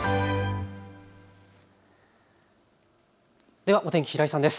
ではお天気、平井さんです。